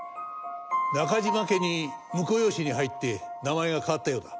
中島家に婿養子に入って名前が変わったようだ。